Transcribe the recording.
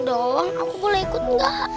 doang aku boleh ikut gak